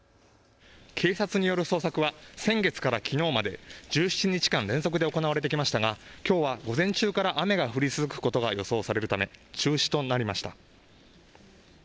警察による捜索は先月からきのうまで１７日間連続で行われてきましたが、きょうは午前中から雨が降り続くことが予想されるため中止となりました。